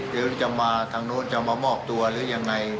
เดี๋ยวจะมาทางนู้นจะมามอบตัวหรือยังไง